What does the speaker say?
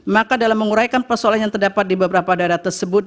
maka dalam menguraikan persoalan yang terdapat di beberapa daerah tersebut